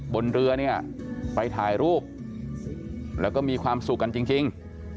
บนเรือเนี่ยไปถ่ายรูปแล้วก็มีความสุขกันจริง